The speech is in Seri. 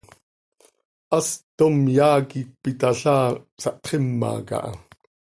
Hast tom yaa quih cöpitalhaa, sahtxima caha.